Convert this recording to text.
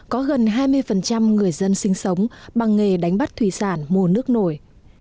có gần hai mươi người dân sinh sống bằng nghề đánh bắt thủy sản mùa nước nổi